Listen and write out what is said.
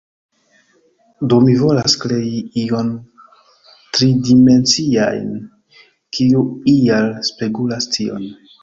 Do mi volas krei ion tridimencian, kiu ial spegulas tion.